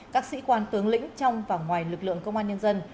các sĩ quan tướng lĩnh trong và ngoài lực lượng công an nhân dân